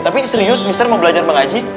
tapi serius mr mau belajar mengaji